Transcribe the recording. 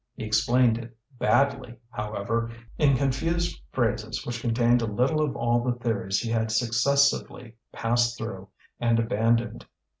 He explained it badly, however, in confused phrases which contained a little of all the theories he had successively passed through and abandoned.